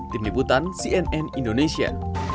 tim liputan cnn indonesia